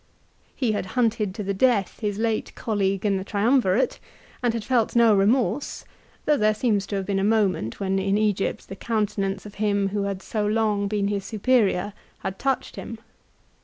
He had hunted to the death his late colleague in the Triumvirate, and had felt no remorse, though there seems to have been a moment when in Egypt the countenance of him who had so long been his superior, had touched him.